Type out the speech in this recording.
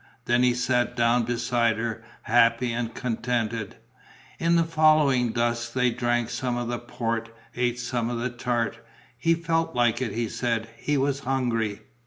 Then he sat down beside her, happy and contented. In the falling dusk they drank some of the port, ate some of the tart. He felt like it, he said; he was hungry....